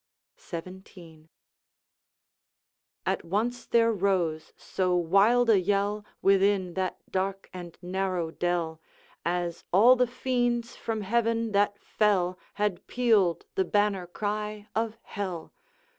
XVII. 'At once there rose so wild a yell Within that dark and narrow dell, As all the fiends from heaven that fell Had pealed the banner cry of hell!